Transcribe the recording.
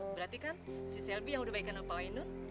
berarti kan si shelby yang udah baikkan sama pak ainud